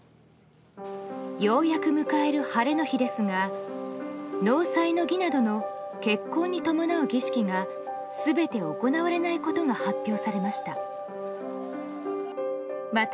ようやく迎える晴れの日ですが納采の儀などの結婚に伴う儀式が全て行われないことが発表されました。